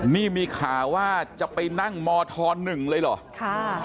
นี่มีข่าวว่าจะไปนั่งมธ๑เลยเหรอ